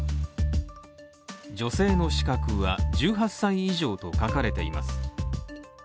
女性の資格は１８歳以上と書かれています。